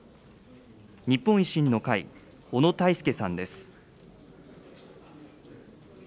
日本維新の会、小野泰輔さんです。